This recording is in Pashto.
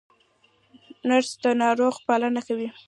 نرس د ناروغ پالنه کوي